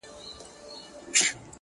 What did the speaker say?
په قسمت مي وصال نه وو رسېدلی!.